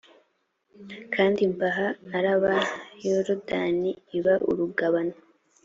kandi mbaha araba, yorudani iba urugabano